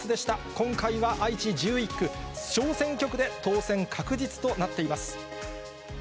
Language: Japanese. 今回は愛知１１区、小選挙区で当選確実となっています。